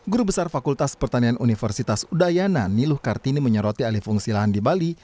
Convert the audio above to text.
guru besar fakultas pertanian universitas udayana niluh kartini menyoroti alih fungsi lahan di bali